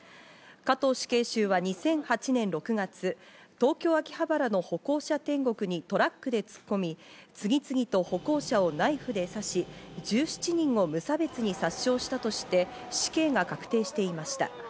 加藤死刑囚は２００８年６月、東京・秋葉原の歩行者天国にトラックで突っ込み、次々と歩行者をナイフで刺し、１７人を無差別に殺傷したとして死刑が確定していました。